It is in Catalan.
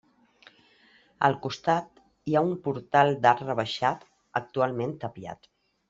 Al costat hi ha un portal d'arc rebaixat, actualment tapiat.